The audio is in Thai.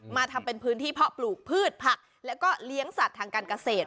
มาทำเป็นพื้นที่เพาะปลูกพืชผักแล้วก็เลี้ยงสัตว์ทางการเกษตร